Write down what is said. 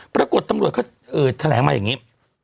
ปรากฏตำรวจเขาแถลงมาอย่างนี้